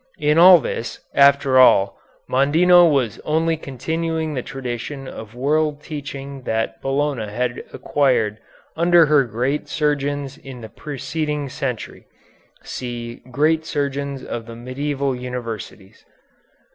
In this, after all, Mondino was only continuing the tradition of world teaching that Bologna had acquired under her great surgeons in the preceding century. (See "Great Surgeons of the Medieval Universities.")